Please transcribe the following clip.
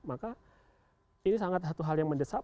maka ini sangat satu hal yang mendesak